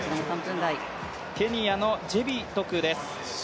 ケニアのジェビトクです。